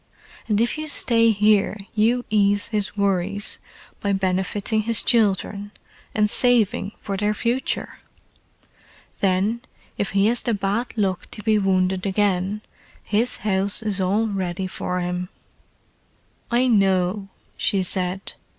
And if you stay here you ease his worries by benefiting his children—and saving for their future. Then, if he has the bad luck to be wounded again, his house is all ready for him." "I know," she said.